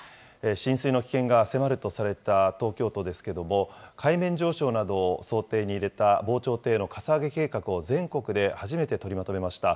浸水の危険が迫るとされた東京都ですけれども、海面上昇などを想定に入れた防潮堤のかさ上げ計画を全国で初めて取りまとめました。